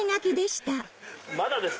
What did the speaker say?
まだです